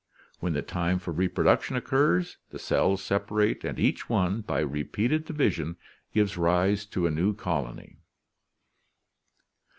When the time for reproduction occurs, the cells sepa rate and each one, by repeated division, gives rise to a new colony.